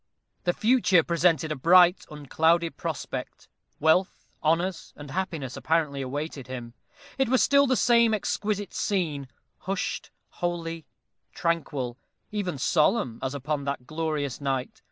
The future presented a bright unclouded prospect. Wealth, honors, and happiness apparently awaited him. It was still the same exquisite scene, hushed, holy, tranquil even solemn, as upon that glorious night.